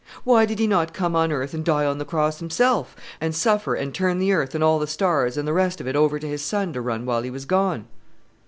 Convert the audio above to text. Why did He not come on earth and die on the cross Himself, and suffer, and turn the earth and all the stars and the rest of it over to His Son to run while He was gone?"